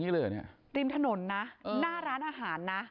ริมถนนนะหน้าร้านอาหารนะ